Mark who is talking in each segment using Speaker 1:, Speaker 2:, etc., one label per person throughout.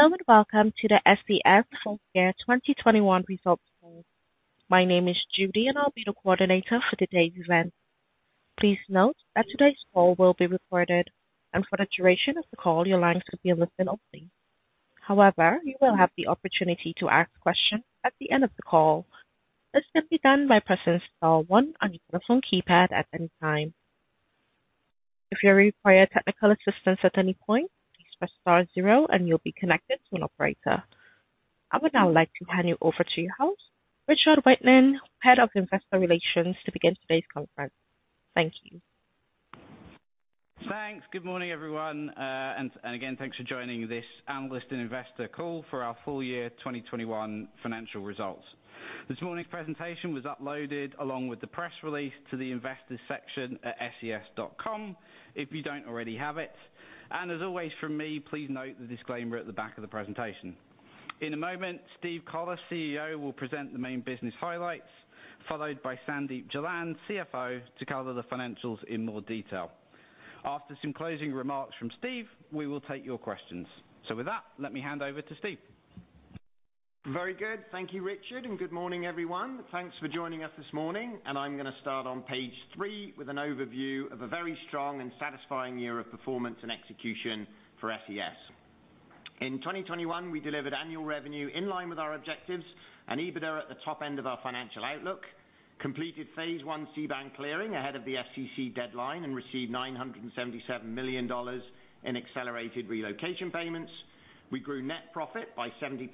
Speaker 1: Hello and welcome to the SES Full Year 2021 Results Call. My name is Judy, and I'll be your coordinator for today's event. Please note that today's call will be recorded. For the duration of the call, your lines will be in listen-only. However, you will have the opportunity to ask questions at the end of the call. This can be done by pressing star one on your phone keypad at any time. If you require technical assistance at any point, please press star zero and you'll be connected to an operator. I would now like to hand you over to your host, Richard Whiteing, Head of Investor Relations, to begin today's conference. Thank you.
Speaker 2: Thanks. Good morning, everyone. And again, thanks for joining this analyst and investor call for our full year 2021 financial results. This morning's presentation was uploaded along with the press release to the investors section at ses.com if you don't already have it. As always from me, please note the disclaimer at the back of the presentation. In a moment, Steve Collar, CEO, will present the main business highlights, followed by Sandeep Jalan, CFO, to cover the financials in more detail. After some closing remarks from Steve, we will take your questions. With that, let me hand over to Steve.
Speaker 3: Very good. Thank you, Richard, and good morning, everyone. Thanks for joining us this morning, and I'm gonna start on page three with an overview of a very strong and satisfying year of performance and execution for SES. In 2021, we delivered annual revenue in line with our objectives and EBITDA at the top end of our financial outlook, completed phase one C-band clearing ahead of the FCC deadline and received $977 million in accelerated relocation payments. We grew net profit by 70%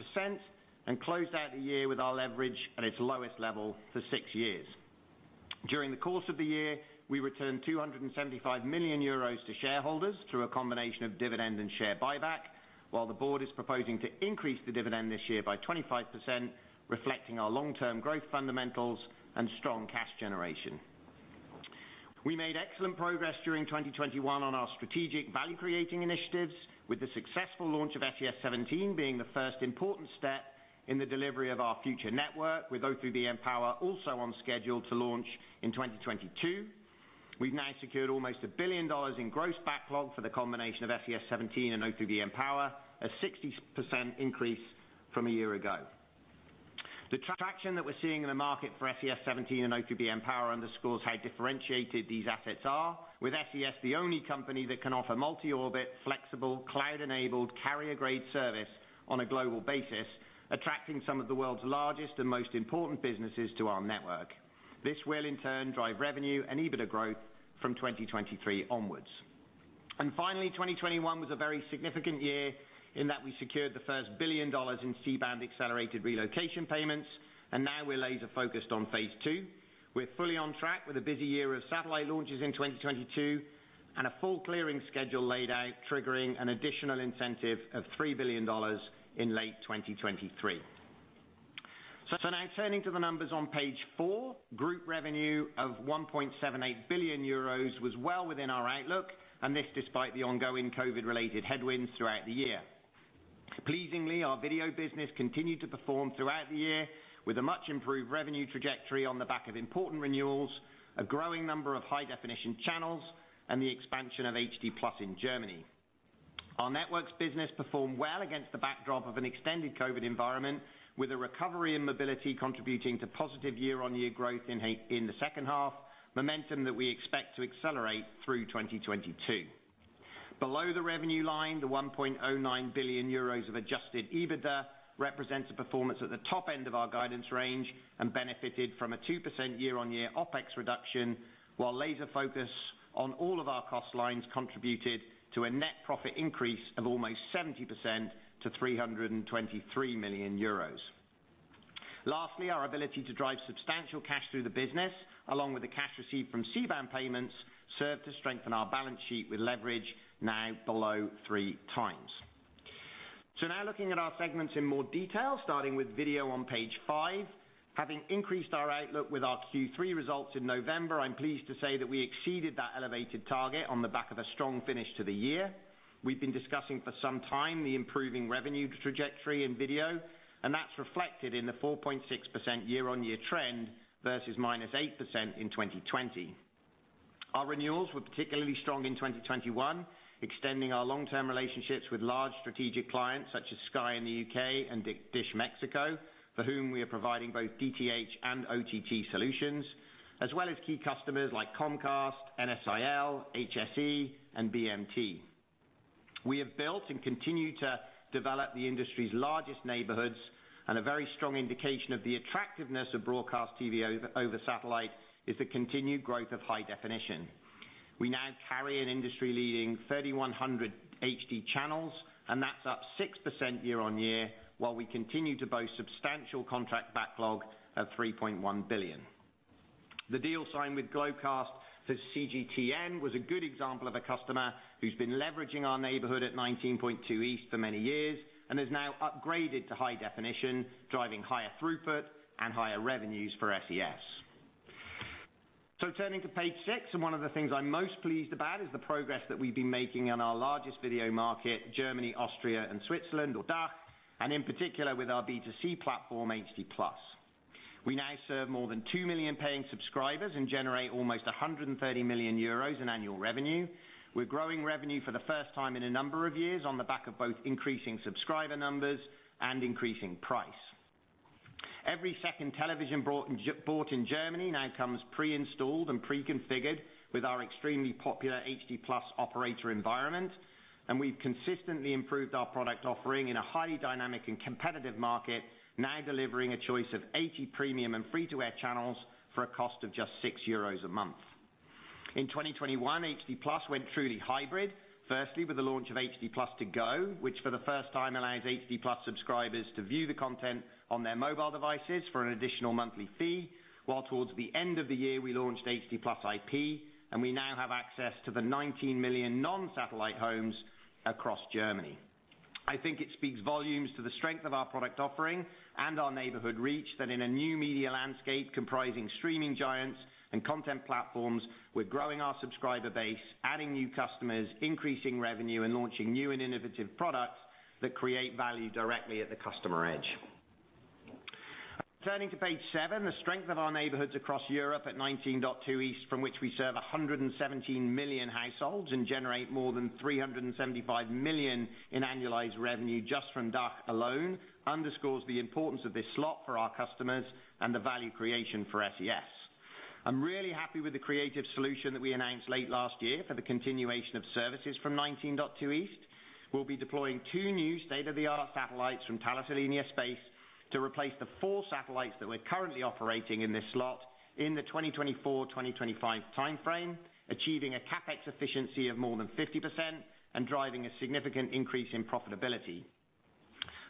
Speaker 3: and closed out the year with our leverage at its lowest level for 6 years. During the course of the year, we returned 275 million euros to shareholders through a combination of dividend and share buyback, while the board is proposing to increase the dividend this year by 25%, reflecting our long-term growth fundamentals and strong cash generation. We made excellent progress during 2021 on our strategic value-creating initiatives, with the successful launch of SES-17 being the first important step in the delivery of our future network, with O3b mPOWER also on schedule to launch in 2022. We've now secured almost $1 billion in gross backlog for the combination of SES-17 and O3b mPOWER, a 60% increase from a year ago. The traction that we're seeing in the market for SES-17 and O3b mPOWER underscores how differentiated these assets are, with SES the only company that can offer multi-orbit, flexible, cloud-enabled, carrier-grade service on a global basis, attracting some of the world's largest and most important businesses to our network. This will, in turn, drive revenue and EBITDA growth from 2023 onwards. Finally, 2021 was a very significant year in that we secured the first $1 billion in C-band accelerated relocation payments, and now we're laser-focused on phase two. We're fully on track with a busy year of satellite launches in 2022, and a full clearing schedule laid out, triggering an additional incentive of $3 billion in late 2023. Now turning to the numbers on page 4, Group revenue of 1.78 billion euros was well within our outlook, and this despite the ongoing COVID-related headwinds throughout the year. Pleasingly, our video business continued to perform throughout the year with a much improved revenue trajectory on the back of important renewals, a growing number of high-definition channels, and the expansion of HD+ in Germany. Our networks business performed well against the backdrop of an extended COVID environment, with a recovery in mobility contributing to positive year-on-year growth in the second half, momentum that we expect to accelerate through 2022. Below the revenue line, the 1.09 billion euros of adjusted EBITDA represents a performance at the top end of our guidance range and benefited from a 2% year-on-year OpEx reduction, while laser focus on all of our cost lines contributed to a net profit increase of almost 70% to 323 million euros. Lastly, our ability to drive substantial cash through the business, along with the cash received from C-band payments, served to strengthen our balance sheet with leverage now below 3 times. Now looking at our segments in more detail, starting with video on page 5. Having increased our outlook with our Q3 results in November, I'm pleased to say that we exceeded that elevated target on the back of a strong finish to the year. We've been discussing for some time the improving revenue trajectory in video, and that's reflected in the 4.6% year-on-year trend versus -8% in 2020. Our renewals were particularly strong in 2021, extending our long-term relationships with large strategic clients such as Sky in the U.K. and Dish Mexico, for whom we are providing both DTH and OTT solutions, as well as key customers like Comcast, NSIL, HSE, and BMT. We have built and continue to develop the industry's largest neighborhoods, and a very strong indication of the attractiveness of broadcast TV over satellite is the continued growth of high definition. We now carry an industry-leading 3,100 HD channels, and that's up 6% year-on-year, while we continue to boast substantial contract backlog of 3.1 billion. The deal signed with Globecast for CGTN was a good example of a customer who's been leveraging our neighborhood at 19.2 East for many years and has now upgraded to high definition, driving higher throughput and higher revenues for SES. Turning to page six, one of the things I'm most pleased about is the progress that we've been making on our largest video market, Germany, Austria, and Switzerland or DACH, and in particular with our B2C platform, HD+. We now serve more than 2 million paying subscribers and generate almost 130 million euros in annual revenue. We're growing revenue for the first time in a number of years on the back of both increasing subscriber numbers and increasing price. Every second television bought in Germany now comes pre-installed and pre-configured with our extremely popular HD+ app environment, and we've consistently improved our product offering in a highly dynamic and competitive market, now delivering a choice of 80 premium and free-to-air channels for a cost of just 6 euros a month. In 2021, HD+ went truly hybrid, firstly, with the launch of HD+ ToGo, which for the first time allows HD+ subscribers to view the content on their mobile devices for an additional monthly fee. While towards the end of the year, we launched HD+ IP, and we now have access to the 19 million non-satellite homes across Germany. I think it speaks volumes to the strength of our product offering and our neighborhood reach that in a new media landscape comprising streaming giants and content platforms, we're growing our subscriber base, adding new customers, increasing revenue, and launching new and innovative products that create value directly at the customer edge. Turning to page seven, the strength of our neighborhoods across Europe at 19.2 east, from which we serve 117 million households and generate more than 375 million in annualized revenue just from DACH alone, underscores the importance of this slot for our customers and the value creation for SES. I'm really happy with the creative solution that we announced late last year for the continuation of services from 19.2 east. We'll be deploying two new state-of-the-art satellites from Thales Alenia Space to replace the four satellites that we're currently operating in this slot in the 2024-2025 timeframe, achieving a CapEx efficiency of more than 50% and driving a significant increase in profitability.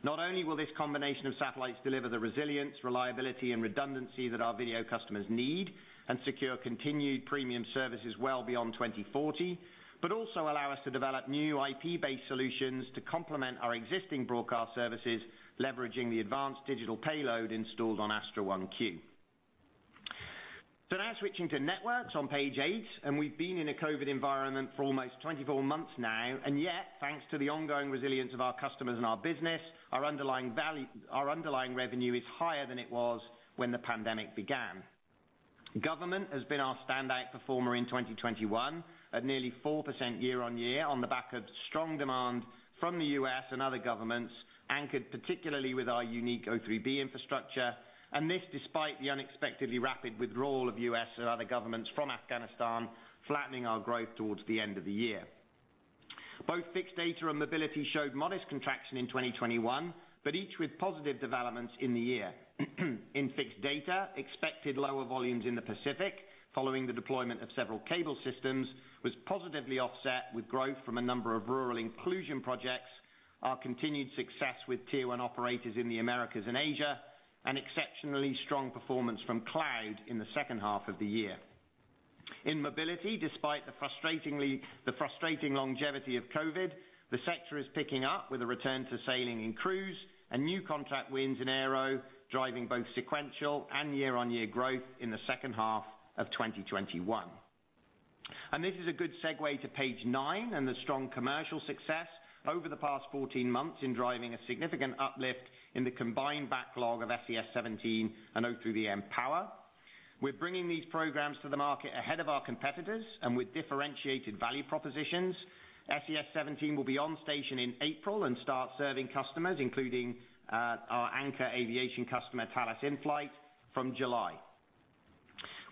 Speaker 3: Not only will this combination of satellites deliver the resilience, reliability, and redundancy that our video customers need and secure continued premium services well beyond 2040, but also allow us to develop new IP-based solutions to complement our existing broadcast services, leveraging the advanced digital payload installed on ASTRA 1Q. Now switching to networks on page 8, and we've been in a COVID environment for almost 24 months now, and yet thanks to the ongoing resilience of our customers and our business, our underlying revenue is higher than it was when the pandemic began. Government has been our standout performer in 2021 at nearly 4% year-on-year on the back of strong demand from the U.S. and other governments, anchored particularly with our unique O3b infrastructure. This despite the unexpectedly rapid withdrawal of U.S. and other governments from Afghanistan, flattening our growth towards the end of the year. Both fixed data and mobility showed modest contraction in 2021, but each with positive developments in the year. In fixed data, expected lower volumes in the Pacific following the deployment of several cable systems, was positively offset with growth from a number of rural inclusion projects, our continued success with tier one operators in the Americas and Asia, and exceptionally strong performance from cloud in the second half of the year. In mobility, despite the frustrating longevity of COVID, the sector is picking up with a return to sailing in cruise and new contract wins in aero, driving both sequential and year-on-year growth in the second half of 2021. This is a good segue to page nine and the strong commercial success over the past 14 months in driving a significant uplift in the combined backlog of SES Seventeen and O3b mPOWER. We're bringing these programs to the market ahead of our competitors and with differentiated value propositions. SES Seventeen will be on station in April and start serving customers, including our anchor aviation customer, Thales InFlyt, from July.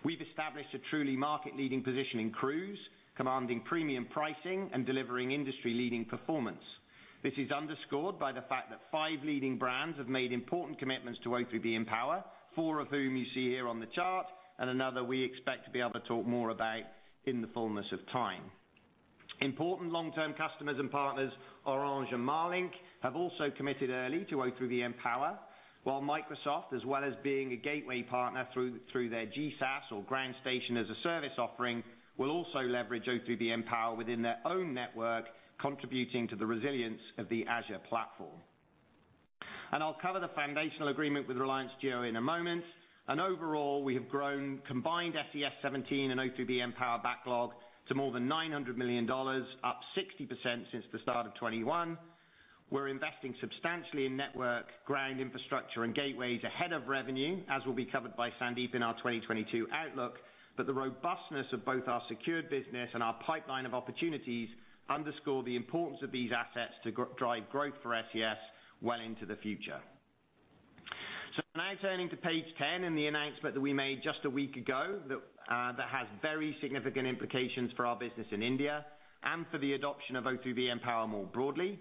Speaker 3: We've established a truly market-leading position in cruise, commanding premium pricing and delivering industry-leading performance. This is underscored by the fact that five leading brands have made important commitments to O3b mPOWER, four of whom you see here on the chart, and another we expect to be able to talk more about in the fullness of time. Important long-term customers and partners, Orange and Marlink, have also committed early to O3b mPOWER. While Microsoft, as well as being a gateway partner through their GSaaS or Ground Station as a Service offering, will also leverage O3b mPOWER within their own network, contributing to the resilience of the Azure platform. I'll cover the foundational agreement with Reliance Jio in a moment. Overall, we have grown combined SES-17 and O3b mPOWER backlog to more than $900 million, up 60% since the start of 2021. We're investing substantially in network, ground infrastructure, and gateways ahead of revenue, as will be covered by Sandeep in our 2022 outlook. The robustness of both our secured business and our pipeline of opportunities underscore the importance of these assets to drive growth for SES well into the future. Now turning to page 10 and the announcement that we made just a week ago that has very significant implications for our business in India and for the adoption of O3b mPOWER more broadly.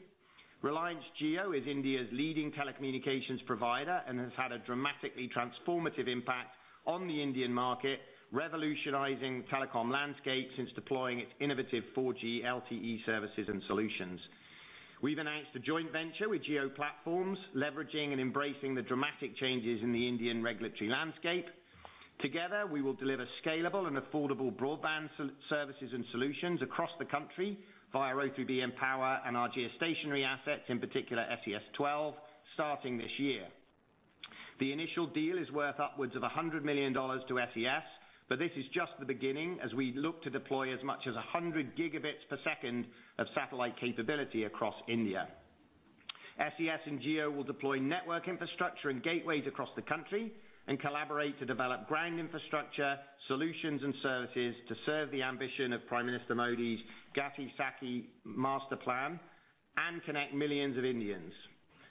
Speaker 3: Reliance Jio is India's leading telecommunications provider and has had a dramatically transformative impact on the Indian market, revolutionizing telecom landscape since deploying its innovative 4G LTE services and solutions. We've announced a joint venture with Jio Platforms, leveraging and embracing the dramatic changes in the Indian regulatory landscape. Together, we will deliver scalable and affordable broadband services and solutions across the country via O3b mPOWER and our geostationary assets, in particular SES Twelve, starting this year. The initial deal is worth upwards of $100 million to SES, but this is just the beginning as we look to deploy as much as 100 gigabits per second of satellite capability across India. SES and Jio will deploy network infrastructure and gateways across the country and collaborate to develop ground infrastructure, solutions, and services to serve the ambition of Prime Minister Modi's Gati Shakti Master Plan and connect millions of Indians.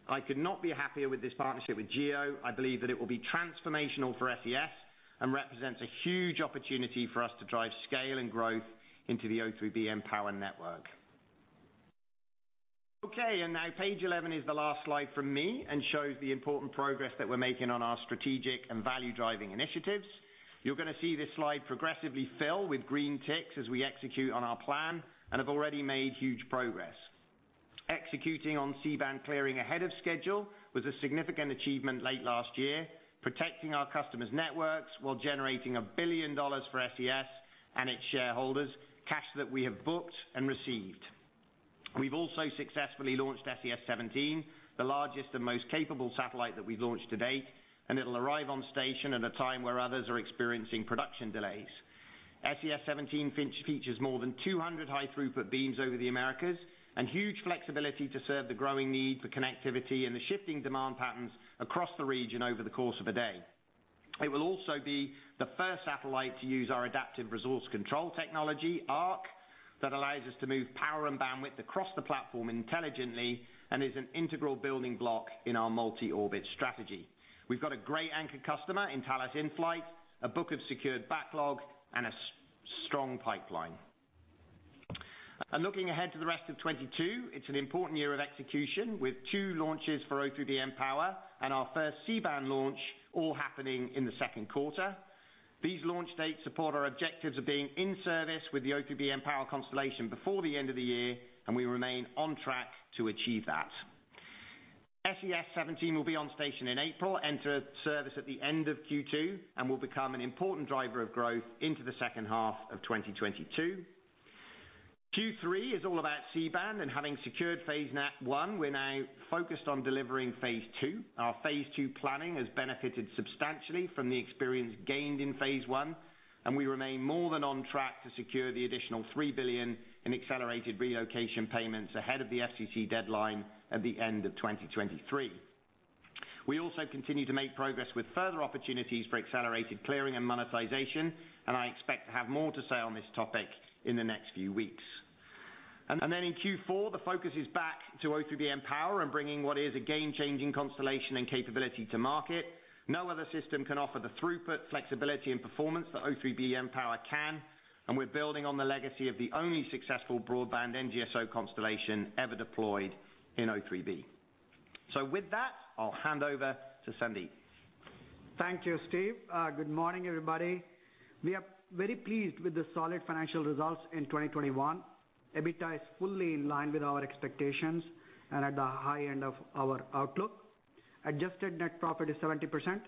Speaker 3: I could not be happier with this partnership with Jio. I believe that it will be transformational for SES and represents a huge opportunity for us to drive scale and growth into the O3b mPOWER network. Okay, now page 11 is the last slide from me and shows the important progress that we're making on our strategic and value-driving initiatives. You're gonna see this slide progressively fill with green ticks as we execute on our plan and have already made huge progress. Executing on C-band clearing ahead of schedule was a significant achievement late last year, protecting our customers' networks while generating $1 billion for SES and its shareholders, cash that we have booked and received. We've also successfully launched SES Seventeen, the largest and most capable satellite that we've launched to date, and it'll arrive on station at a time where others are experiencing production delays. SES-17 which features more than 200 high throughput beams over the Americas and huge flexibility to serve the growing need for connectivity and the shifting demand patterns across the region over the course of a day. It will also be the first satellite to use our adaptive resource control technology, ARC, that allows us to move power and bandwidth across the platform intelligently and is an integral building block in our multi-orbit strategy. We've got a great anchor customer in Thales InFlyt, a book of secured backlog, and a strong pipeline. Looking ahead to the rest of 2022, it's an important year of execution with 2 launches for O3b mPOWER and our first C-band launch all happening in the second quarter. These launch dates support our objectives of being in service with the O3b mPOWER constellation before the end of the year, and we remain on track to achieve that. SES Seventeen will be on station in April, enter service at the end of Q2, and will become an important driver of growth into the second half of 2022. Q3 is all about C-band, and having secured phase one, we're now focused on delivering phase two. Our phase two planning has benefited substantially from the experience gained in phase one, and we remain more than on track to secure the additional $3 billion in accelerated relocation payments ahead of the FCC deadline at the end of 2023. We also continue to make progress with further opportunities for accelerated clearing and monetization, and I expect to have more to say on this topic in the next few weeks. In Q4, the focus is back to O3b mPOWER and bringing what is a game-changing constellation and capability to market. No other system can offer the throughput, flexibility, and performance that O3b mPOWER can, and we're building on the legacy of the only successful broadband NGSO constellation ever deployed in O3b. With that, I'll hand over to Sandeep.
Speaker 4: Thank you, Steve. Good morning, everybody. We are very pleased with the solid financial results in 2021. EBITDA is fully in line with our expectations and at the high end of our outlook. Adjusted net profit is 70%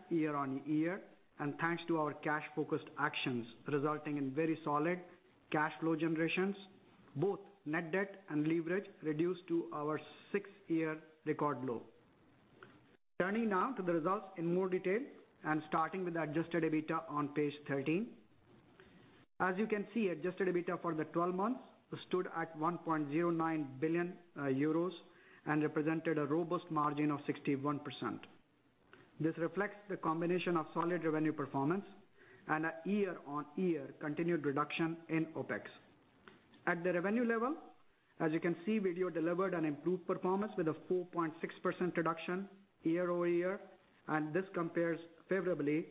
Speaker 4: year-on-year and thanks to our cash-focused actions resulting in very solid cash flow generations, both net debt and leverage reduced to our six-year record low. Turning now to the results in more detail and starting with adjusted EBITDA on page 13. As you can see, adjusted EBITDA for the 12 months stood at 1.09 billion euros and represented a robust margin of 61%. This reflects the combination of solid revenue performance and a year-on-year continued reduction in OpEx. At the revenue level, as you can see, video delivered an improved performance with a 4.6% reduction year-over-year, and this compares favorably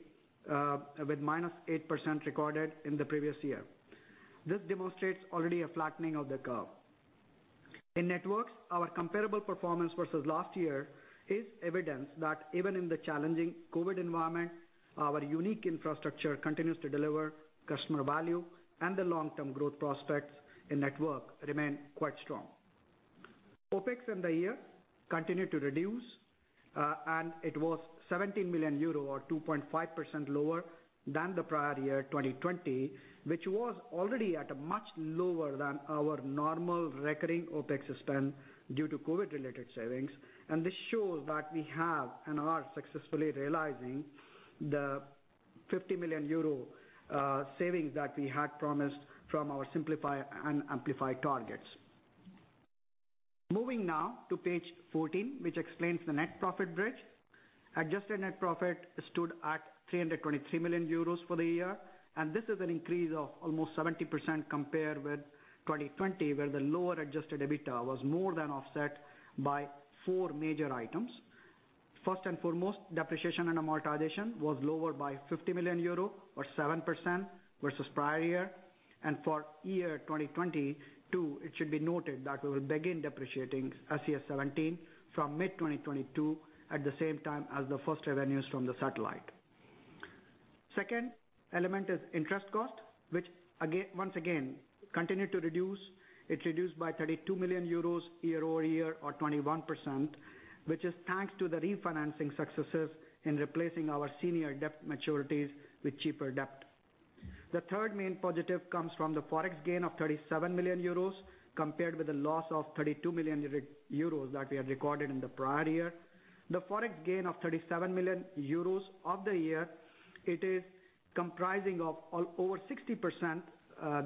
Speaker 4: with -8% recorded in the previous year. This demonstrates already a flattening of the curve. In networks, our comparable performance versus last year is evidence that even in the challenging COVID environment, our unique infrastructure continues to deliver customer value and the long-term growth prospects in network remain quite strong. OpEx in the year continued to reduce, and it was 17 million euro or 2.5% lower than the prior year 2020, which was already at a much lower than our normal recurring OpEx spend due to COVID-related savings. This shows that we have and are successfully realizing the 50 million euro savings that we had promised from our Simplify and Amplify targets. Moving now to page 14, which explains the net profit bridge. Adjusted net profit stood at 323 million euros for the year, and this is an increase of almost 70% compared with 2020, where the lower adjusted EBITDA was more than offset by four major items. First and foremost, depreciation and amortization was lower by 50 million euro or 7% versus prior year. For year 2022, it should be noted that we will begin depreciating SES-17 from mid-2022 at the same time as the first revenues from the satellite. Second element is interest cost, which once again continued to reduce. It reduced by 32 million euros year-over-year or 21%, which is thanks to the refinancing successes in replacing our senior debt maturities with cheaper debt. The third main positive comes from the Forex gain of 37 million euros compared with a loss of 32 million euros that we have recorded in the prior year. The Forex gain of 37 million euros of the year, it is comprising of over 60%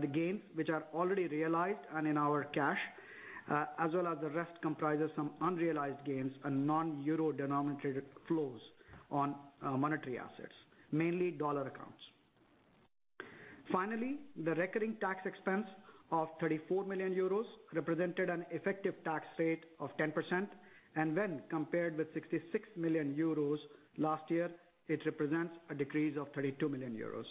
Speaker 4: the gains which are already realized and in our cash, as well as the rest comprises some unrealized gains and non-euro denominated flows on monetary assets, mainly dollar accounts. Finally, the recurring tax expense of 34 million euros represented an effective tax rate of 10%, and when compared with 66 million euros last year, it represents a decrease of 32 million euros.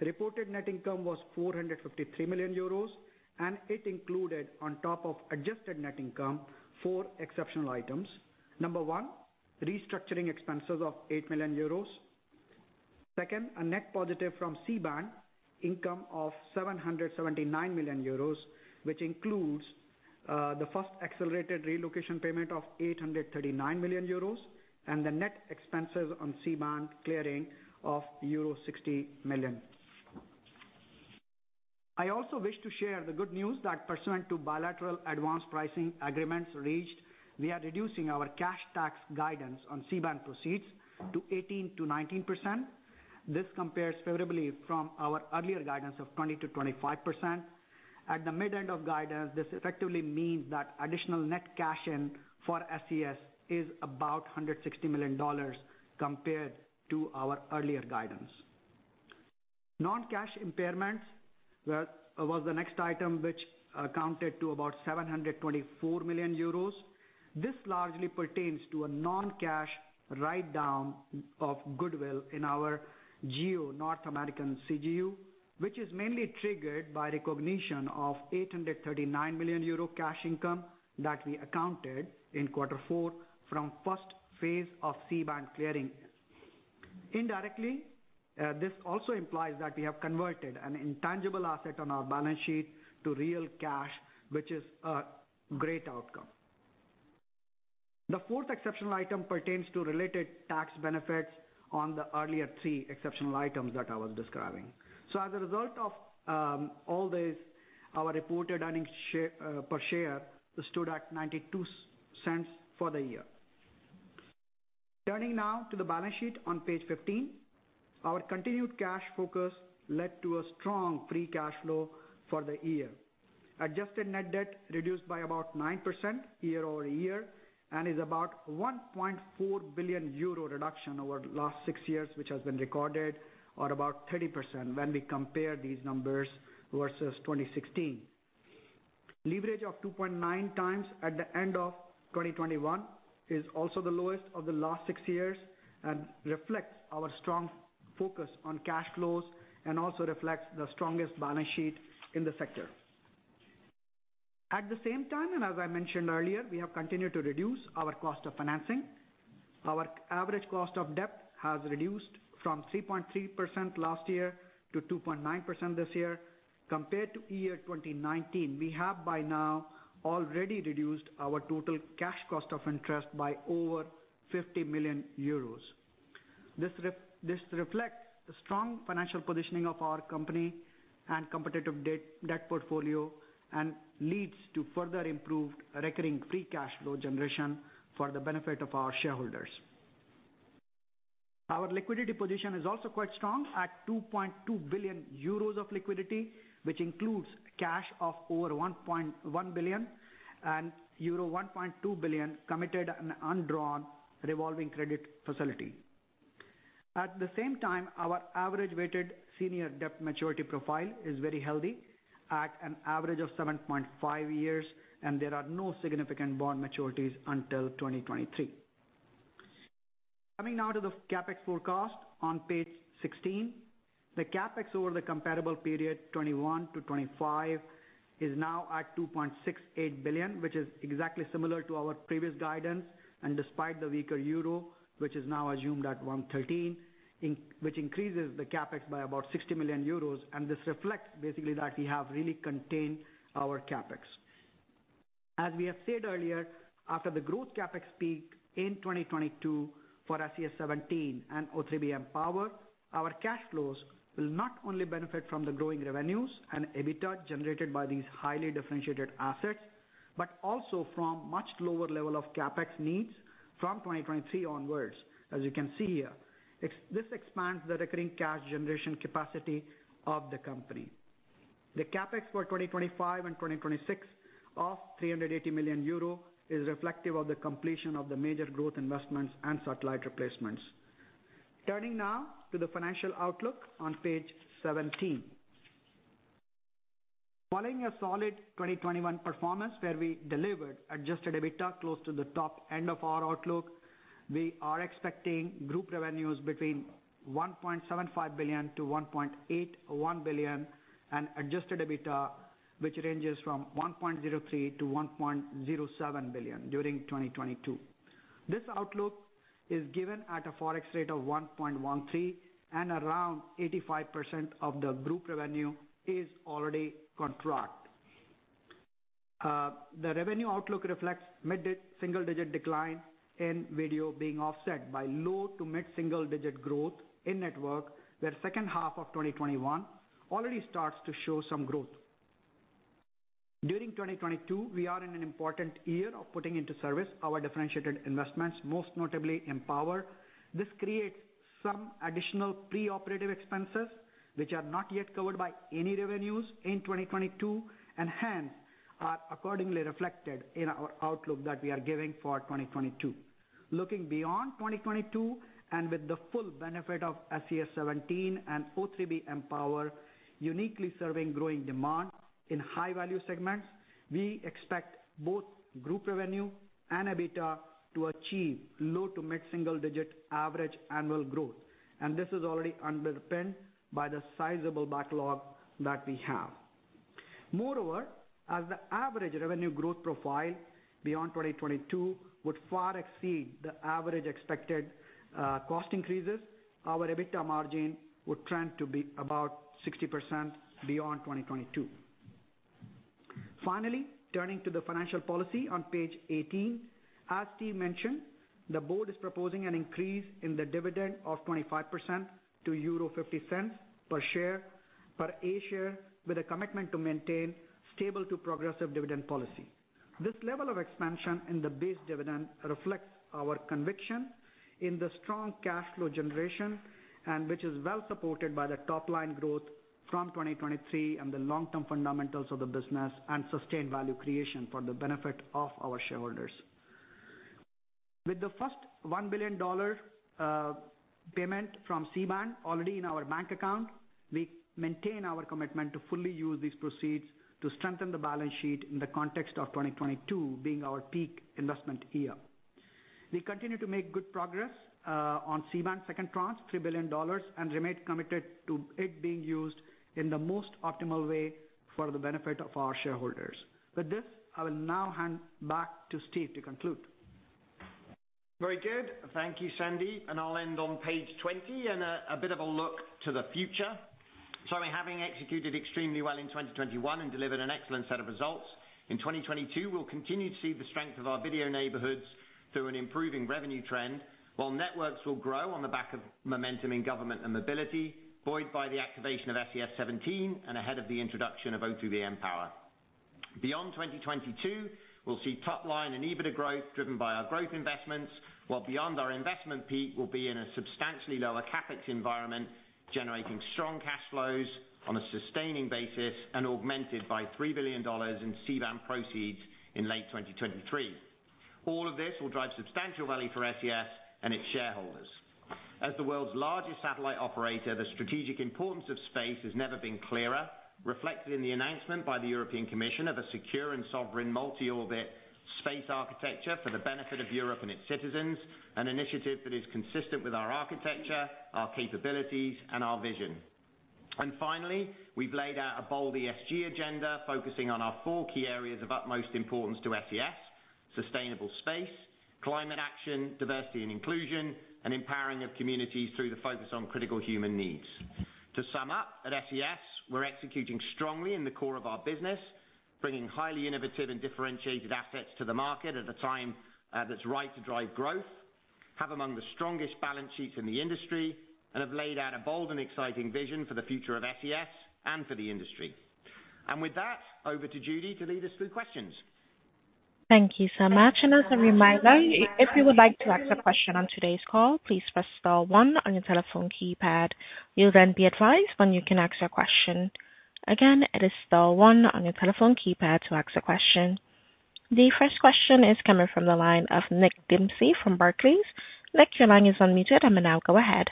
Speaker 4: Reported net income was 453 million euros, and it included, on top of adjusted net income, four exceptional items. Number one, restructuring expenses of 8 million euros. Second, a net positive from C-band income of 779 million euros, which includes the first accelerated relocation payment of 839 million euros, and the net expenses on C-band clearing of euro 60 million. I also wish to share the good news that pursuant to bilateral advanced pricing agreements reached, we are reducing our cash tax guidance on C-band proceeds to 18%-19%. This compares favorably from our earlier guidance of 20%-25%. At the midpoint of guidance, this effectively means that additional net cash in for SES is about $160 million compared to our earlier guidance. Non-cash impairments was the next item which contributed to about 724 million euros. This largely pertains to a non-cash write down of goodwill in our GEO North American CGU, which is mainly triggered by recognition of 839 million euro cash income that we accounted in quarter four from first phase of C-band clearing. Indirectly, this also implies that we have converted an intangible asset on our balance sheet to real cash, which is a great outcome. The fourth exceptional item pertains to related tax benefits on the earlier three exceptional items that I was describing. As a result of all this, our reported earnings per share stood at 0.92 for the year. Turning now to the balance sheet on page 15. Our continued cash focus led to a strong free cash flow for the year. Adjusted net debt reduced by about 9% year-over-year, and is about 1.4 billion euro reduction over the last six years, which has been recorded at about 30% when we compare these numbers versus 2016. Leverage of 2.9x at the end of 2021 is also the lowest of the last six years and reflects our strong focus on cash flows and also reflects the strongest balance sheet in the sector. At the same time, and as I mentioned earlier, we have continued to reduce our cost of financing. Our average cost of debt has reduced from 3.3% last year to 2.9% this year. Compared to year 2019, we have by now already reduced our total cash cost of interest by over 50 million euros. This reflects the strong financial positioning of our company and competitive debt portfolio, and leads to further improved recurring free cash flow generation for the benefit of our shareholders. Our liquidity position is also quite strong at 2.2 billion euros of liquidity, which includes cash of over 1.1 billion and euro 1.2 billion committed and undrawn revolving credit facility. At the same time, our average weighted senior debt maturity profile is very healthy at an average of 7.5 years, and there are no significant bond maturities until 2023. Coming now to the CapEx forecast on page 16. The CapEx over the comparable period 2021 to 2025 is now at 2.68 billion, which is exactly similar to our previous guidance. Despite the weaker euro, which is now assumed at 1.13, which increases the CapEx by about 60 million euros, and this reflects basically that we have really contained our CapEx. As we have said earlier, after the growth CapEx peak in 2022 for SES-17 and O3b mPOWER, our cash flows will not only benefit from the growing revenues and EBITDA generated by these highly differentiated assets, but also from much lower level of CapEx needs from 2023 onwards, as you can see here. This expands the recurring cash generation capacity of the company. The CapEx for 2025 and 2026 of 380 million euro is reflective of the completion of the major growth investments and satellite replacements. Turning now to the financial outlook on page 17. Following a solid 2021 performance where we delivered adjusted EBITDA close to the top end of our outlook, we are expecting group revenues between 1.75 billion-1.81 billion and adjusted EBITDA which ranges from 1.03 billion-1.07 billion during 2022. This outlook is given at a Forex rate of 1.13 and around 85% of the group revenue is already contracted. The revenue outlook reflects mid- to single-digit decline in video being offset by low- to mid-single-digit growth in network, where second half of 2021 already starts to show some growth. During 2022, we are in an important year of putting into service our differentiated investments, most notably mPOWER. This creates some additional pre-operative expenses which are not yet covered by any revenues in 2022, and hence are accordingly reflected in our outlook that we are giving for 2022. Looking beyond 2022 and with the full benefit of SES-17 and O3b mPOWER uniquely serving growing demand in high-value segments, we expect both group revenue and EBITDA to achieve low- to mid-single-digit average annual growth. This is already underpinned by the sizable backlog that we have. Moreover, as the average revenue growth profile beyond 2022 would far exceed the average expected cost increases, our EBITDA margin would trend to be about 60% beyond 2022. Finally, turning to the financial policy on page 18. As Steve mentioned, the board is proposing an increase in the dividend of 25% to 0.50 per share, per A share, with a commitment to maintain stable to progressive dividend policy. This level of expansion in the base dividend reflects our conviction in the strong cash flow generation, and which is well supported by the top line growth from 2023 and the long-term fundamentals of the business and sustained value creation for the benefit of our shareholders. With the first $1 billion payment from C-band already in our bank account, we maintain our commitment to fully use these proceeds to strengthen the balance sheet in the context of 2022 being our peak investment year. We continue to make good progress on C-band second tranche, $3 billion, and remain committed to it being used in the most optimal way for the benefit of our shareholders. With this, I will now hand back to Steve to conclude.
Speaker 3: Very good. Thank you, Sandeep. I'll end on page 20 and a bit of a look to the future. We're having executed extremely well in 2021 and delivered an excellent set of results. In 2022, we'll continue to see the strength of our video neighborhoods through an improving revenue trend, while networks will grow on the back of momentum in government and mobility, buoyed by the activation of SES-17 and ahead of the introduction of O3b mPOWER. Beyond 2022, we'll see top line and EBITDA growth driven by our growth investments, while beyond our investment peak, we'll be in a substantially lower CapEx environment, generating strong cash flows on a sustaining basis and augmented by $3 billion in C-band proceeds in late 2023. All of this will drive substantial value for SES and its shareholders. As the world's largest satellite operator, the strategic importance of space has never been clearer, reflected in the announcement by the European Commission of a secure and sovereign multi-orbit space architecture for the benefit of Europe and its citizens, an initiative that is consistent with our architecture, our capabilities and our vision. Finally, we've laid out a bold ESG agenda focusing on our four key areas of utmost importance to SES, sustainable space, climate action, diversity and inclusion, and empowering of communities through the focus on critical human needs. To sum up, at SES, we're executing strongly in the core of our business, bringing highly innovative and differentiated assets to the market at a time that's right to drive growth, have among the strongest balance sheets in the industry, and have laid out a bold and exciting vision for the future of SES and for the industry. With that, over to Judy to lead us through questions.
Speaker 1: Thank you so much. As a reminder, if you would like to ask a question on today's call, please press star one on your telephone keypad. You'll then be advised when you can ask your question. Again, it is star one on your telephone keypad to ask a question. The first question is coming from the line of Nick Dempsey from Barclays. Nick, your line is unmuted. You may now go ahead.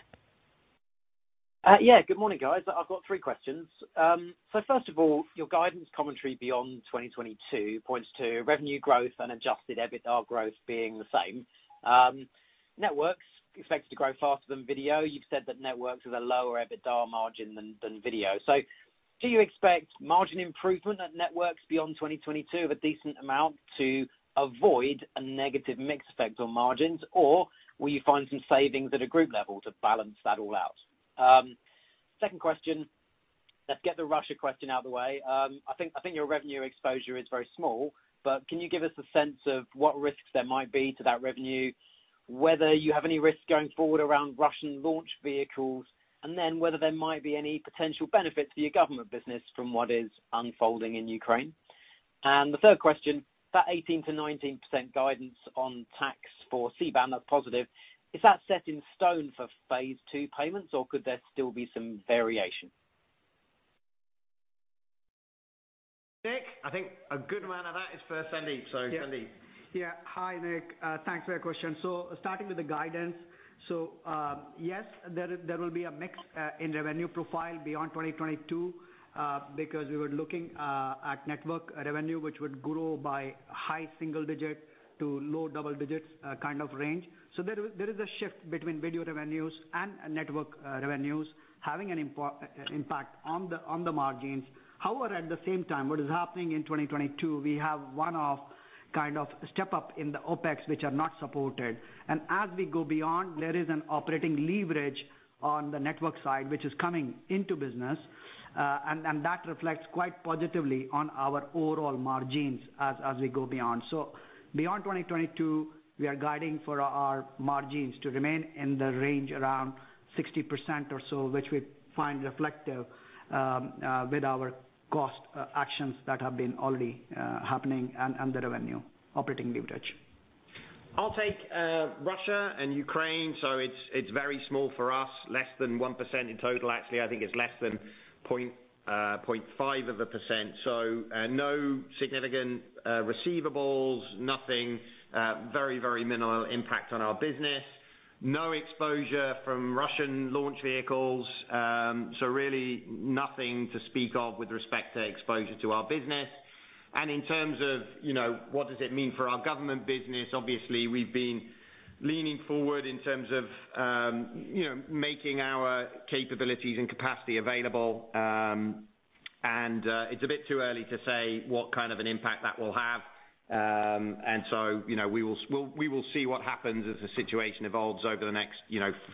Speaker 5: Yeah, good morning, guys. I've got three questions. First of all, your guidance commentary beyond 2022 points to revenue growth and adjusted EBITDA growth being the same. Networks expected to grow faster than Video. You've said that Networks is a lower EBITDA margin than Video. Do you expect margin improvement at Networks beyond 2022 of a decent amount to avoid a negative mix effect on margins? Or will you find some savings at a group level to balance that all out? Second question, let's get the Russia question out of the way. I think your revenue exposure is very small, but can you give us a sense of what risks there might be to that revenue, whether you have any risks going forward around Russian launch vehicles, and then whether there might be any potential benefits to your government business from what is unfolding in Ukraine? The third question, that 18%-19% guidance on tax for C-band, that's positive. Is that set in stone for phase two payments, or could there still be some variation?
Speaker 3: Nick, I think a good amount of that is for Sandeep. Sandeep.
Speaker 4: Hi, Nick. Thanks for your question. Starting with the guidance, yes, there will be a mix in revenue profile beyond 2022 because we were looking at network revenue, which would grow by high single-digit to low double-digit kind of range. There is a shift between video revenues and network revenues having an impact on the margins. However, at the same time, what is happening in 2022, we have one-off kind of step up in the OpEx, which are not supported. As we go beyond, there is an operating leverage on the network side which is coming into business, and that reflects quite positively on our overall margins as we go beyond. Beyond 2022, we are guiding for our margins to remain in the range around 60% or so, which we find reflective with our cost actions that have been already happening and the revenue operating leverage.
Speaker 3: I'll take Russia and Ukraine. It's very small for us, less than 1% in total. Actually, I think it's less than 0.5%. No significant receivables, nothing, very minimal impact on our business. No exposure from Russian launch vehicles. Really nothing to speak of with respect to exposure to our business. In terms of, you know, what does it mean for our government business? Obviously, we've been leaning forward in terms of, you know, making our capabilities and capacity available. It's a bit too early to say what kind of an impact that will have. You know, we will see what happens as the situation evolves over the next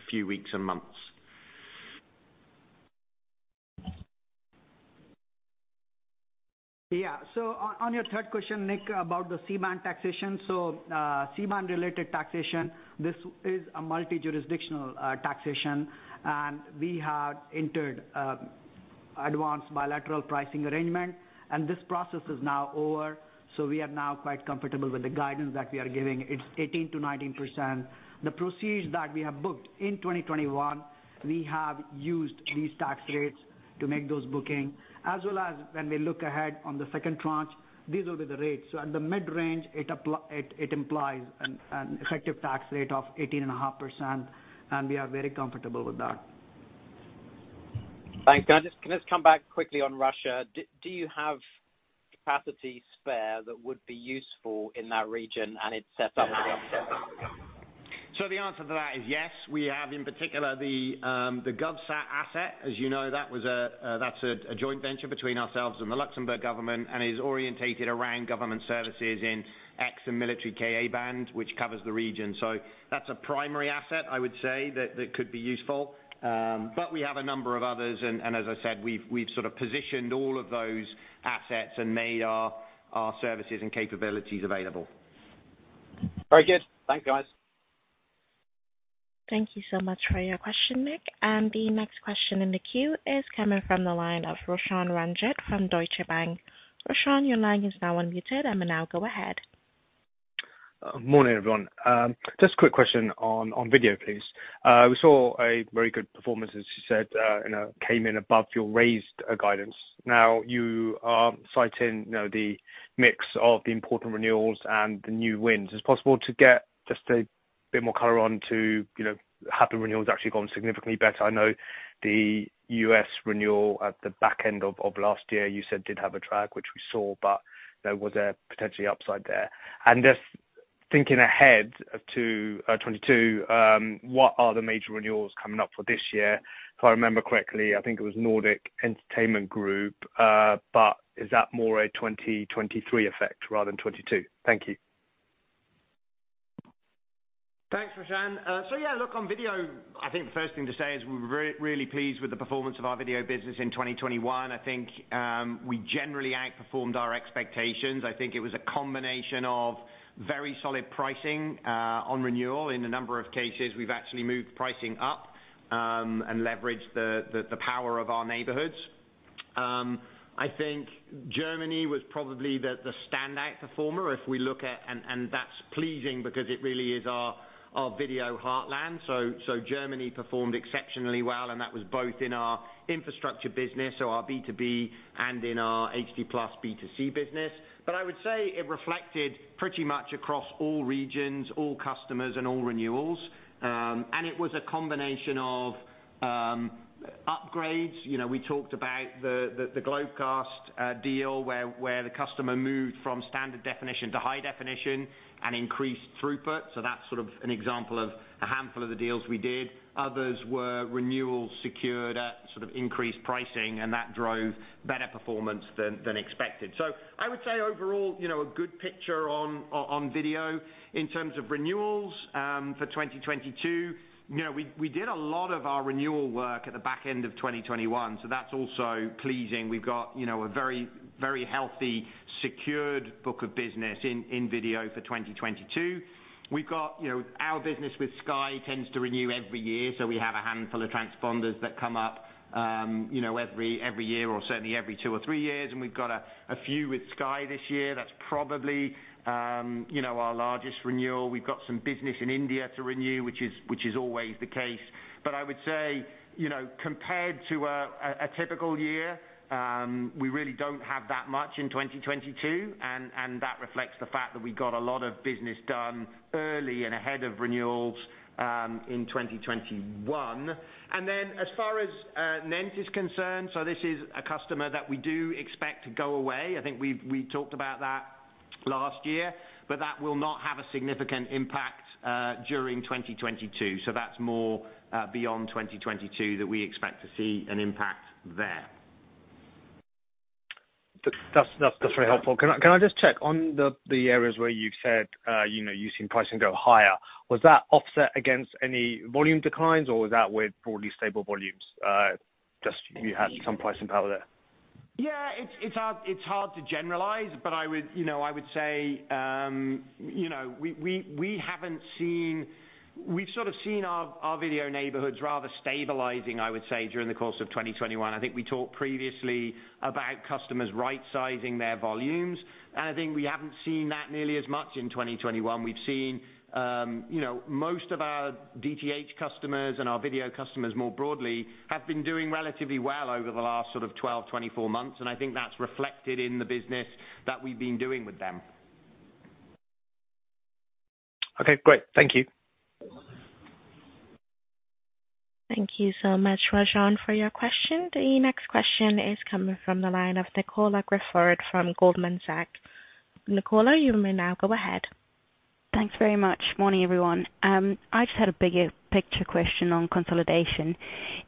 Speaker 3: few weeks and months.
Speaker 4: Yeah. On your third question, Nick, about the C-band taxation. C-band related taxation, this is a multi-jurisdictional taxation, and we have entered advanced bilateral pricing arrangement, and this process is now over. We are now quite comfortable with the guidance that we are giving. It's 18%-19%. The proceeds that we have booked in 2021, we have used these tax rates to make those booking. As well as when we look ahead on the second tranche, these will be the rates. At the mid-range, it implies an effective tax rate of 18.5%, and we are very comfortable with that.
Speaker 5: Thanks, guys. Can I just come back quickly on Russia? Do you have capacity spare that would be useful in that region and it sets up-
Speaker 3: The answer to that is yes. We have, in particular, the GovSat asset. As you know, that's a joint venture between ourselves and the Luxembourg government and is oriented around government services in X-band and military Ka-band, which covers the region. That's a primary asset, I would say, that could be useful. But we have a number of others. As I said, we've sort of positioned all of those assets and made our services and capabilities available.
Speaker 5: Very good. Thanks, guys.
Speaker 1: Thank you so much for your question, Nick. The next question in the queue is coming from the line of Roshan Ranjit from Deutsche Bank. Roshan, your line is now unmuted. You may now go ahead.
Speaker 6: Morning, everyone. Just a quick question on video, please. We saw a very good performance, as you said, and came in above your raised guidance. Now, you are citing, you know, the mix of the important renewals and the new wins. Is it possible to get just a bit more color on to, you know, have the renewals actually gone significantly better? I know the U.S. renewal at the back end of last year, you said did have a drag, which we saw, but there was a potential upside there. Just thinking ahead to 2022, what are the major renewals coming up for this year? If I remember correctly, I think it was Nordic Entertainment Group, but is that more a 2023 effect rather than 2022? Thank you.
Speaker 3: Thanks, Roshan. Yeah, look on video, I think the first thing to say is we were really pleased with the performance of our video business in 2021. I think we generally outperformed our expectations. I think it was a combination of very solid pricing on renewal. In a number of cases, we've actually moved pricing up and leveraged the power of our neighborhoods. I think Germany was probably the standout performer if we look at it, and that's pleasing because it really is our video heartland. Germany performed exceptionally well, and that was both in our infrastructure business, so our B2B and in our HD+ B2C business. I would say it reflected pretty much across all regions, all customers and all renewals. It was a combination of upgrades. You know, we talked about the Globecast deal where the customer moved from standard definition to high definition and increased throughput. That's sort of an example of a handful of the deals we did. Others were renewals secured at sort of increased pricing, and that drove better performance than expected. I would say overall, you know, a good picture on video in terms of renewals for 2022. You know, we did a lot of our renewal work at the back end of 2021, so that's also pleasing. We've got, you know, a very healthy, secured book of business in video for 2022. We've got, you know, our business with Sky tends to renew every year, so we have a handful of transponders that come up, you know, every year or certainly every two or three years. We've got a few with Sky this year. That's probably, you know, our largest renewal. We've got some business in India to renew, which is always the case. I would say, you know, compared to a typical year, we really don't have that much in 2022, and that reflects the fact that we got a lot of business done early and ahead of renewals in 2021. As far as NENT is concerned, this is a customer that we do expect to go away. I think we talked about that last year, but that will not have a significant impact during 2022. That's more beyond 2022 that we expect to see an impact there.
Speaker 6: That's very helpful. Can I just check on the areas where you said you know you've seen pricing go higher? Was that offset against any volume declines or was that with broadly stable volumes? Just you had some pricing power there.
Speaker 3: Yeah, it's hard to generalize, but I would, you know, I would say, you know, we've sort of seen our video neighborhoods rather stabilizing, I would say, during the course of 2021. I think we talked previously about customers rightsizing their volumes. I think we haven't seen that nearly as much in 2021. We've seen, you know, most of our DTH customers and our video customers more broadly have been doing relatively well over the last sort of 12, 24 months, and I think that's reflected in the business that we've been doing with them.
Speaker 6: Okay, great. Thank you.
Speaker 1: Thank you so much, Rajan, for your question. The next question is coming from the line of Nicola Sheriff from Goldman Sachs. Nicola, you may now go ahead.
Speaker 7: Thanks very much. Morning, everyone. I just had a bigger picture question on consolidation.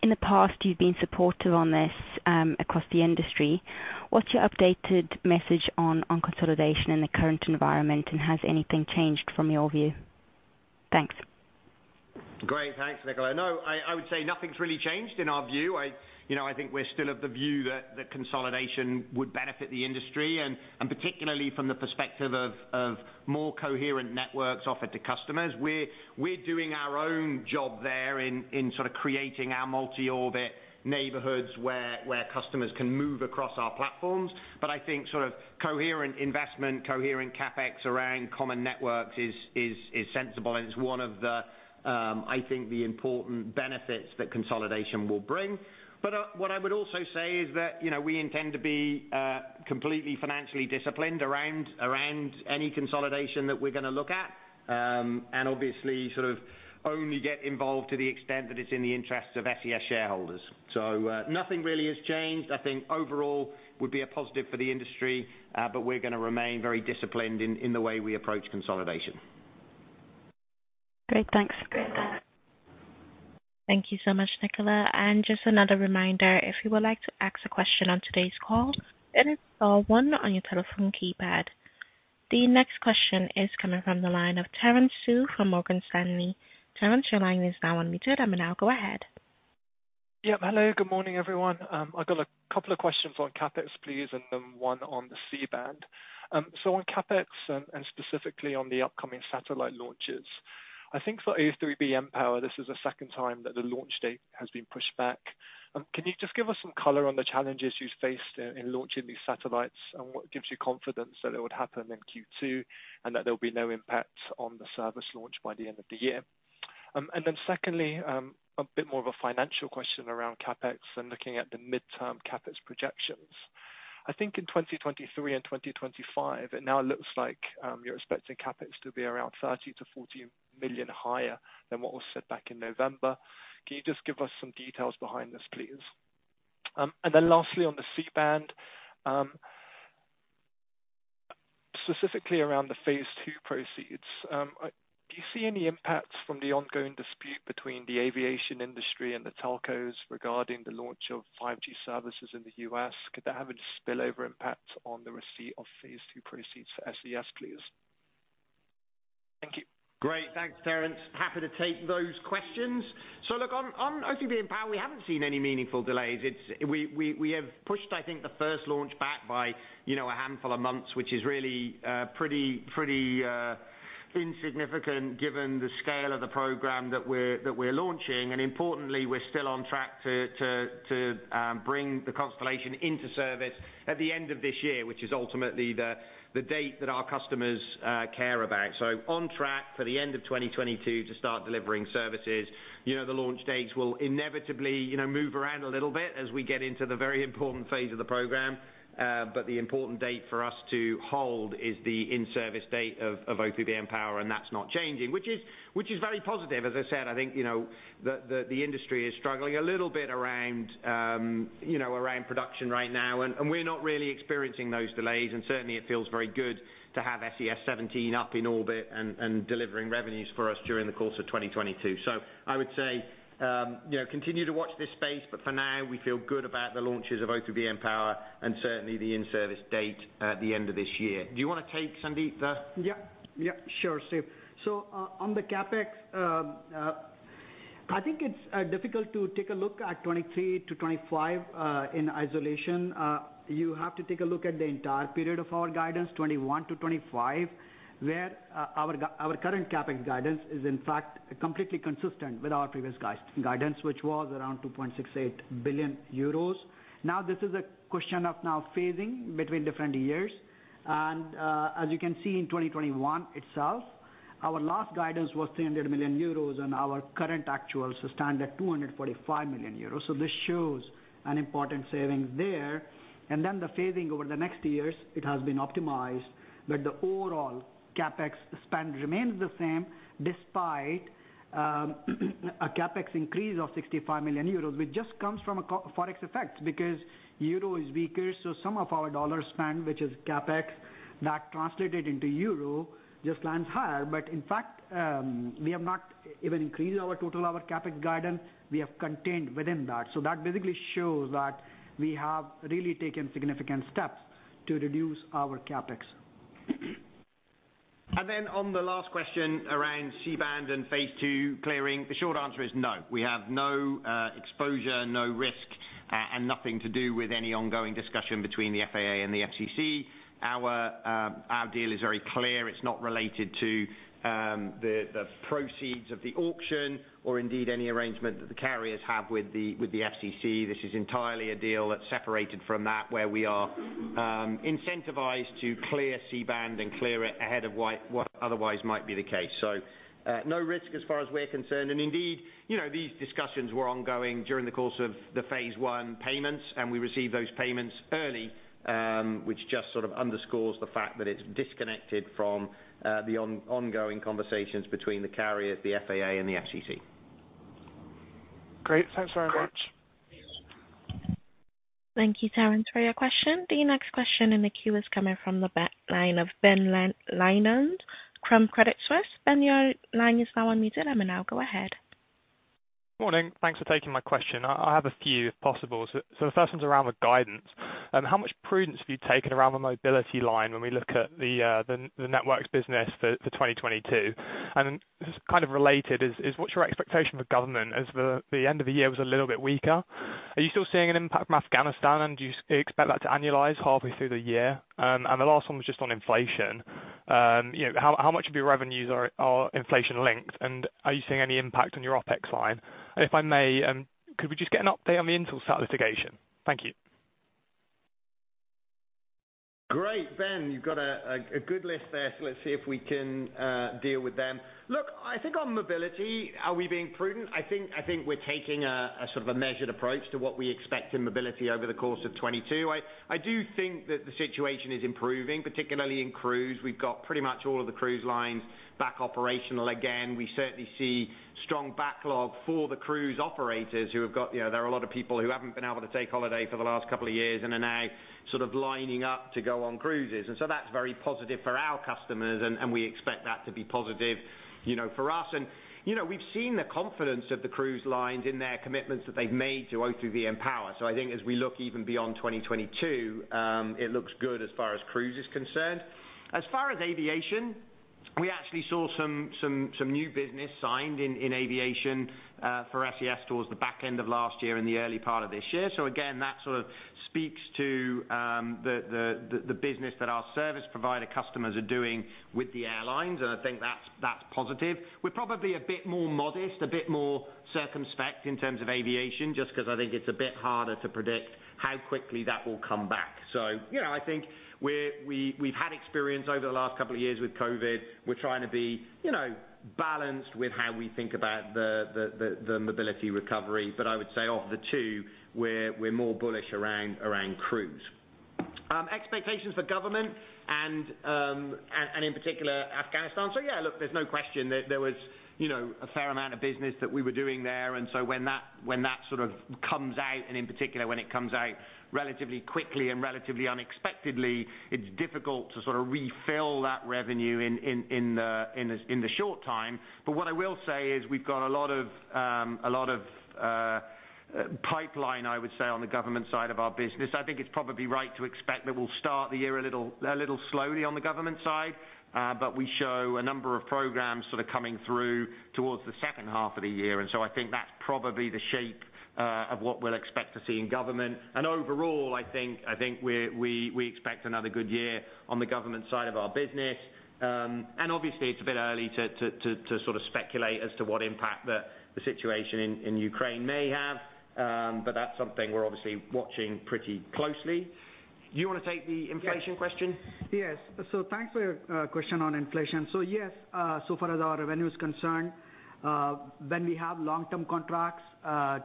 Speaker 7: In the past, you've been supportive on this across the industry. What's your updated message on consolidation in the current environment, and has anything changed from your view? Thanks.
Speaker 3: Great. Thanks, Nicola. No, I would say nothing's really changed in our view. I, you know, I think we're still of the view that consolidation would benefit the industry, and particularly from the perspective of more coherent networks offered to customers. We're doing our own job there in sort of creating our multi-orbit neighborhoods where customers can move across our platforms. I think sort of coherent investment, coherent CapEx around common networks is sensible, and it's one of the, I think the important benefits that consolidation will bring. What I would also say is that, you know, we intend to be completely financially disciplined around any consolidation that we're gonna look at. Obviously sort of only get involved to the extent that it's in the interests of SES shareholders. Nothing really has changed. I think overall would be a positive for the industry, but we're gonna remain very disciplined in the way we approach consolidation.
Speaker 7: Great. Thanks.
Speaker 1: Thank you so much, Nicola. Just another reminder, if you would like to ask a question on today's call, then it's star one on your telephone keypad. The next question is coming from the line of Terence Tsui from Morgan Stanley. Terence, your line is now unmuted, and now go ahead.
Speaker 8: Yep. Hello. Good morning, everyone. I've got a couple of questions on CapEx, please, and then one on the C-band. So on CapEx and specifically on the upcoming satellite launches, I think for O3b mPower, this is the second time that the launch date has been pushed back. Can you just give us some color on the challenges you faced in launching these satellites and what gives you confidence that it would happen in Q2, and that there'll be no impact on the service launch by the end of the year? And then secondly, a bit more of a financial question around CapEx and looking at the midterm CapEx projections. I think in 2023 and 2025, it now looks like you're expecting CapEx to be around 30 million-40 million higher than what was said back in November. Can you just give us some details behind this, please? Lastly, on the C-band, specifically around the phase two proceeds, do you see any impacts from the ongoing dispute between the aviation industry and the telcos regarding the launch of 5G services in the U.S.? Could that have a spillover impact on the receipt of phase two proceeds for SES, please? Thank you.
Speaker 3: Great. Thanks, Terence. Happy to take those questions. Look, on O3b mPOWER, we haven't seen any meaningful delays. We have pushed, I think, the first launch back by, you know, a handful of months, which is really pretty insignificant given the scale of the program that we're launching. Importantly, we're still on track to bring the constellation into service at the end of this year, which is ultimately the date that our customers care about. On track for the end of 2022 to start delivering services. You know, the launch dates will inevitably, you know, move around a little bit as we get into the very important phase of the program. The important date for us to hold is the in-service date of O3b mPOWER, and that's not changing, which is very positive. As I said, I think, you know, the industry is struggling a little bit around production right now, and we're not really experiencing those delays, and certainly it feels very good to have SES-17 up in orbit and delivering revenues for us during the course of 2022. I would say, you know, continue to watch this space, but for now we feel good about the launches of O3b mPOWER and certainly the in-service date at the end of this year. Do you wanna take Sandeep, the-
Speaker 4: Yeah. Yeah, sure, Steve. On the CapEx, I think it's difficult to take a look at 2023-2025 in isolation. You have to take a look at the entire period of our guidance, 2021-2025, where our current CapEx guidance is in fact completely consistent with our previous guidance, which was around 2.68 billion euros. Now, this is a question of phasing between different years. As you can see in 2021 itself, our last guidance was 300 million euros, and our current actuals stand at 245 million euros. This shows an important savings there. Then the phasing over the next years, it has been optimized. The overall CapEx spend remains the same despite a CapEx increase of 65 million euros, which just comes from an FX effect because the euro is weaker, so some of our dollar spend, which is CapEx, that translated into euro just lands higher. In fact, we have not even increased our total, our CapEx guidance, we have contained within that. That basically shows that we have really taken significant steps to reduce our CapEx.
Speaker 3: Then on the last question around C-band and phase two clearing, the short answer is no. We have no exposure, no risk, and nothing to do with any ongoing discussion between the FAA and the FCC. Our deal is very clear. It's not related to the proceeds of the auction or indeed any arrangement that the carriers have with the FCC. This is entirely a deal that's separated from that, where we are incentivized to clear C-band and clear it ahead of what otherwise might be the case. No risk as far as we're concerned, and indeed, these discussions were ongoing during the course of the phase one payments, and we received those payments early, which just sort of underscores the fact that it's disconnected from the ongoing conversations between the carriers, the FAA and the FCC.
Speaker 8: Great. Thanks very much.
Speaker 1: Thank you, Terence, for your question. The next question in the queue is coming from the line of Ben Lyon from Credit Suisse. Ben, your line is now unmuted, and now go ahead.
Speaker 9: Morning. Thanks for taking my question. I have a few if possible. The first one's around the guidance. How much prudence have you taken around the mobility line when we look at the networks business for 2022? Just kind of related is what's your expectation for government as the end of the year was a little bit weaker? Are you still seeing an impact from Afghanistan, and do you expect that to annualize halfway through the year? The last one was just on inflation. You know, how much of your revenues are inflation linked, and are you seeing any impact on your OpEx line? If I may, could we just get an update on the Intelsat satellite litigation? Thank you.
Speaker 3: Great. Ben, you've got a good list there, so let's see if we can deal with them. Look, I think on mobility, are we being prudent? I think we're taking a sort of a measured approach to what we expect in mobility over the course of 2022. I do think that the situation is improving, particularly in cruise. We've got pretty much all of the cruise lines back operational again. We certainly see strong backlog for the cruise operators who have got, you know, there are a lot of people who haven't been able to take holiday for the last couple of years and are now sort of lining up to go on cruises. That's very positive for our customers, and we expect that to be positive, you know, for us. You know, we've seen the confidence of the cruise lines in their commitments that they've made to O3 and M-Power. I think as we look even beyond 2022, it looks good as far as cruise is concerned. As far as aviation, we actually saw some new business signed in aviation for SES towards the back end of last year and the early part of this year. Again, that sort of speaks to the business that our service provider customers are doing with the airlines, and I think that's positive. We're probably a bit more modest, a bit more circumspect in terms of aviation, just 'cause I think it's a bit harder to predict how quickly that will come back. You know, I think we've had experience over the last couple of yeaRs with COVID. We're trying to be, you know, balanced with how we think about the mobility recovery. I would say of the two, we're more bullish around cruise. Expectations for government and in particular Afghanistan. Yeah, look, there's no question there was, you know, a fair amount of business that we were doing there. When that sort of comes out, and in particular, when it comes out relatively quickly and relatively unexpectedly, it's difficult to sort of refill that revenue in the short time. What I will say is we've got a lot of pipeline, I would say, on the government side of our business. I think it's probably right to expect that we'll start the year a little slowly on the government side, but we show a number of programs sort of coming through towards the second half of the year. I think that's probably the shape of what we'll expect to see in government. Overall, I think we expect another good year on the government side of our business. Obviously it's a bit early to sort of speculate as to what impact the situation in Ukraine may have. That's something we're obviously watching pretty closely. Do you wanna take the inflation question?
Speaker 4: Yes. Thanks for your question on inflation. Yes, so far as our revenue is concerned, when we have long-term contracts,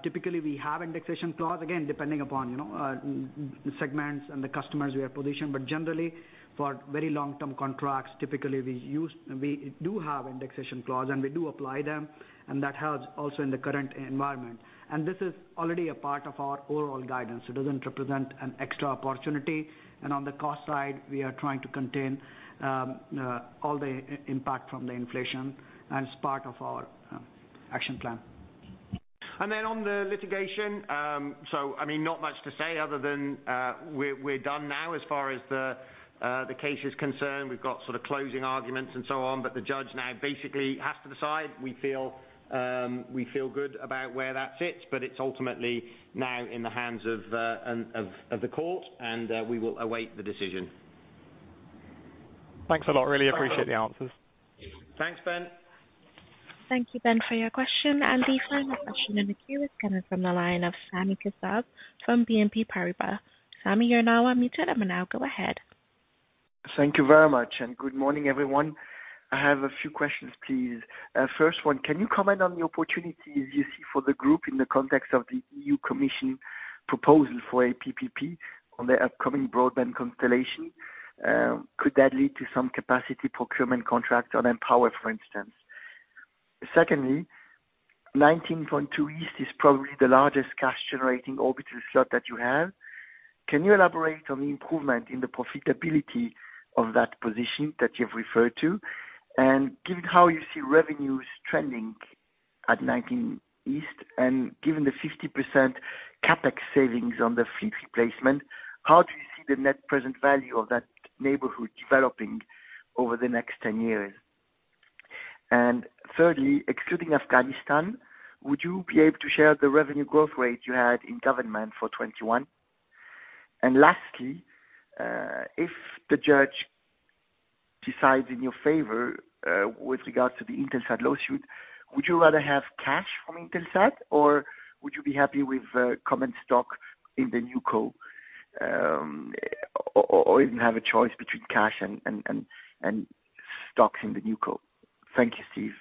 Speaker 4: typically we have indexation clause, again, depending upon, you know, segments and the customers we are positioned. Generally, for very long-term contracts, typically we do have indexation clause, and we do apply them, and that helps also in the current environment. This is already a part of our overall guidance. It doesn't represent an extra opportunity. On the cost side, we are trying to contain all the impact from the inflation, and it's part of our action plan.
Speaker 3: On the litigation, I mean, not much to say other than we're done now as far as the case is concerned. We've got sort of closing arguments and so on, but the judge now basically has to decide. We feel good about where that sits, but it's ultimately now in the hands of the court, and we will await the decision.
Speaker 9: Thanks a lot. I really appreciate the answers.
Speaker 3: Thanks, Ben.
Speaker 1: Thank you, Ben, for your question. The final question in the queue is coming from the line of Sami Kassab from BNP Paribas. Sammy, you're now unmuted, and now go ahead.
Speaker 10: Thank you very much, and good morning, everyone. I have a few questions, please. First one, can you comment on the opportunities you see for the group in the context of the European Commission proposal for a PPP on the upcoming broadband constellation? Could that lead to some capacity procurement contract on M-Power, for instance? Secondly, 19.2 east is probably the largest cash-generating orbital slot that you have. Can you elaborate on the improvement in the profitability of that position that you've referred to? Given how you see revenues trending at 19 east, and given the 50% CapEx savings on the fleet replacement, how do you see the net present value of that neighborhood developing over the next 10 years? Thirdly, excluding Afghanistan, would you be able to share the revenue growth rate you had in government for 2021? Lastly, if the judge decides in your favor, with regards to the Intelsat lawsuit, would you rather have cash from Intelsat, or would you be happy with common stock in the new co, or even have a choice between cash and stocks in the new co? Thank you, Steve.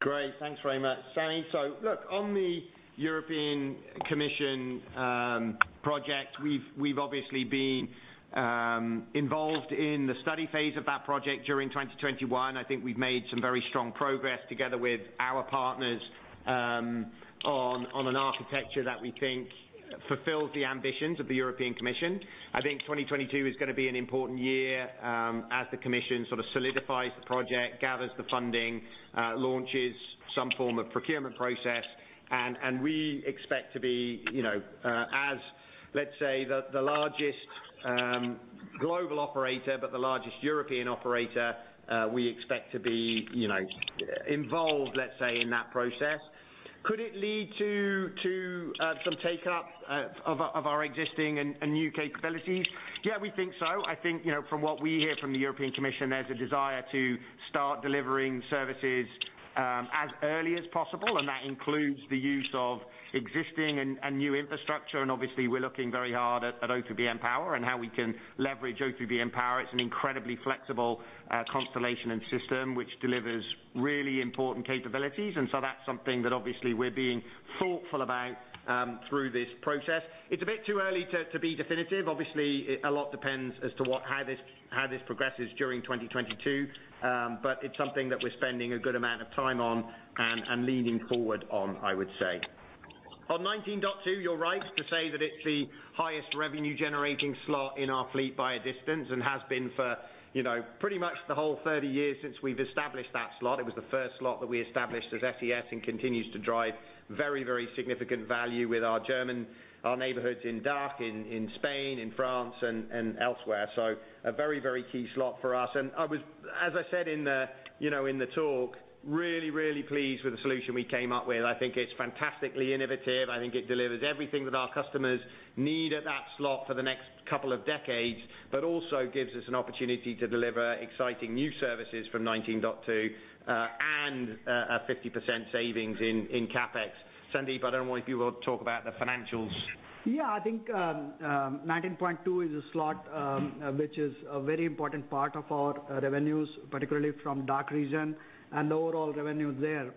Speaker 3: Great. Thanks very much, Sammy. Look, on the European Commission project, we've obviously been involved in the study phase of that project during 2021. I think we've made some very strong progress together with our partners on an architecture that we think fulfills the ambitions of the European Commission. I think 2022 is gonna be an important year as the commission sort of solidifies the project, gathers the funding, launches some form of procurement process. We expect to be, you know, as, let's say, the largest global operator, but the largest European operator. We expect to be, you know, involved, let's say, in that process. Could it lead to some take-up of our existing and new capabilities? Yeah, we think so. I think, you know, from what we hear from the European Commission, there's a desire to start delivering services, as early as possible, and that includes the use of existing and new infrastructure. Obviously we're looking very hard at O3b mPOWER and how we can leverage O3b mPOWER. It's an incredibly flexible constellation and system which delivers really important capabilities. That's something that obviously we're being thoughtful about through this process. It's a bit too early to be definitive. Obviously a lot depends as to how this progresses during 2022. It's something that we're spending a good amount of time on and leaning forward on, I would say. On 19.2, you're right to say that it's the highest revenue generating slot in our fleet by a distance and has been for, you know, pretty much the whole 30 years since we've established that slot. It was the first slot that we established as SES and continues to drive very, very significant value with our German neighbors in DACH, in Spain, in France and elsewhere. So a very, very key slot for us. I was, as I said in the, you know, in the talk, really, really pleased with the solution we came up with. I think it's fantastically innovative. I think it delivers everything that our customers need at that slot for the next couple of decades, but also gives us an opportunity to deliver exciting new services from 19.2 and a 50% savings in CapEx. Sandip, I don't know if you want to talk about the financials.
Speaker 4: Yeah, I think 19.2 is a slot which is a very important part of our revenues, particularly from DACH region. The overall revenue there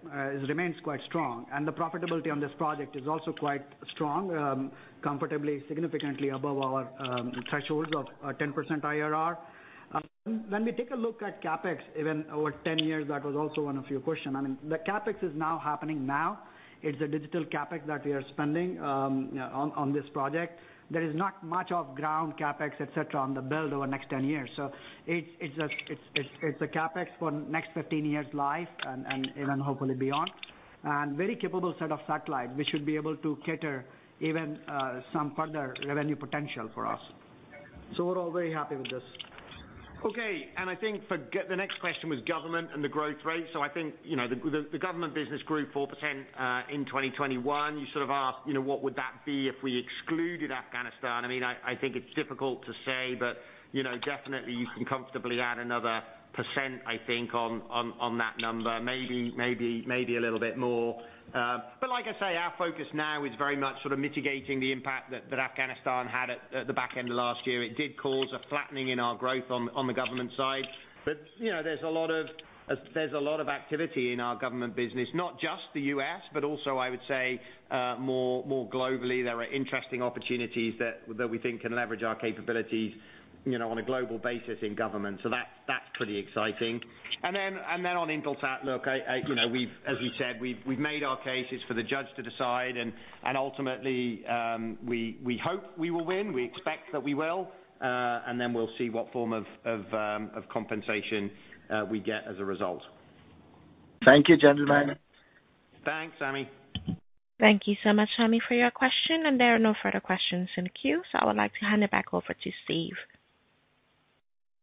Speaker 4: remains quite strong. The profitability on this project is also quite strong, comfortably significantly above our thresholds of a 10% IRR. When we take a look at CapEx, even over 10 years, that was also one of your question. I mean, the CapEx is now happening now. It's a digital CapEx that we are spending on this project. There is not much of ground CapEx et cetera on the build over the next 10 years. It's a CapEx for next 15 years life and even hopefully beyond. Very capable set of satellite, which should be able to cater even some further revenue potential for us. We're all very happy with this.
Speaker 3: Okay. I think for the next question was government and the growth rate. I think, you know, the government business grew 4% in 2021. You sort of asked, you know, what would that be if we excluded Afghanistan? I mean, I think it's difficult to say, but, you know, definitely you can comfortably add another %, I think, on that number. Maybe a little bit more. Like I say, our focus now is very much sort of mitigating the impact that Afghanistan had at the back end of last year. It did cause a flattening in our growth on the government side. You know, there's a lot of activity in our government business, not just the U.S., but also I would say more globally. There are interesting opportunities that we think can leverage our capabilities, you know, on a global basis in government. That's pretty exciting. On Intelsat, look, you know, as we said, we've made our case. It's for the judge to decide and ultimately, we hope we will win. We expect that we will, and then we'll see what form of compensation we get as a result.
Speaker 10: Thank you, gentlemen.
Speaker 3: Thanks, Sami.
Speaker 1: Thank you so much, Sammy, for your question, and there are no further questions in the queue. I would like to hand it back over to Steve.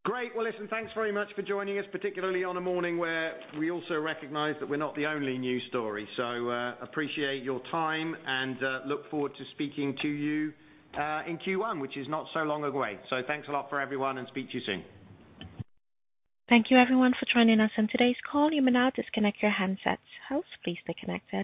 Speaker 3: Great. Well, listen, thanks very much for joining us, particularly on a morning where we also recognize that we're not the only news story. Appreciate your time and look forward to speaking to you in Q1, which is not so long away. Thanks a lot for everyone and speak to you soon.
Speaker 1: Thank you everyone for joining us on today's call. You may now disconnect your handsets. Hosts, please stay connected.